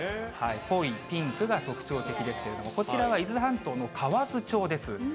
濃いピンクが特徴的ですけれども、こちらは伊豆半島の河津町です。